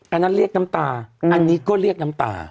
อันนั้นเรียกน้ำตาอันนี้ก็เรียกน้ำตา